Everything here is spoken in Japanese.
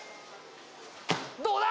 どうだ！？